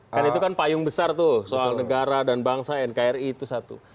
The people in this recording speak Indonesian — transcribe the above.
kan itu kan payung besar tuh soal negara dan bangsa nkri itu satu